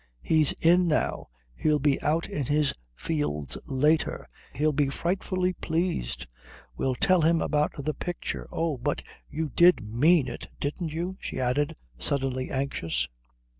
He's in now. He'll be out in his fields later. He'll be frightfully pleased. We'll tell him about the picture. Oh, but you did mean it, didn't you?" she added, suddenly anxious.